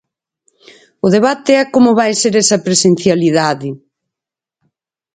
O debate é como vai ser esa presencialidade.